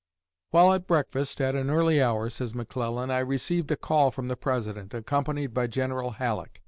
"While at breakfast, at an early hour," says McClellan, "I received a call from the President, accompanied by General Halleck.